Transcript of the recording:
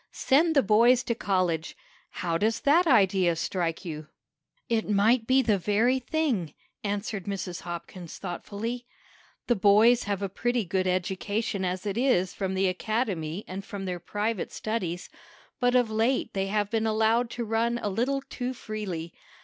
Send the boys to college! How does that idea strike you?" "It might be the very thing," answered Mrs. Hopkins thoughtfully. "The boys have a pretty good education as it is from the Academy and from their private studies, but of late they have been allowed to run a little too freely.